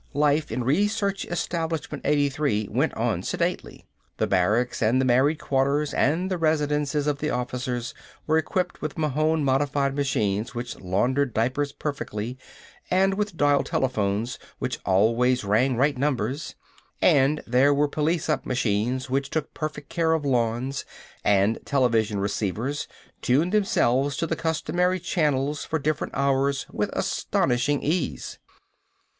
Life in Research Establishment 83 went on sedately. The barracks and the married quarters and the residences of the officers were equipped with Mahon modified machines which laundered diapers perfectly, and with dial telephones which always rang right numbers, and there were police up machines which took perfect care of lawns, and television receivers tuned themselves to the customary channels for different hours with astonishing ease.